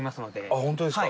あっ本当ですか。